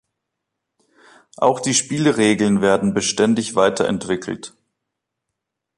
Auch die Spielregeln werden beständig weiterentwickelt.